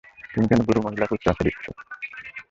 তুমি কেন বুড়ো মহিলাকে উচ্চ আশা দিচ্ছো?